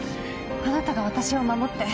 あなたが私を守って。